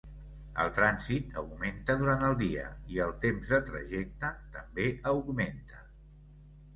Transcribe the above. El trànsit augmenta durant el dia, i el temps de trajecte també augmenta.